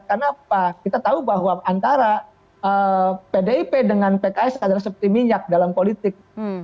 karena apa kita tahu bahwa antara pdip dengan pks adalah seperti minyak dalam politik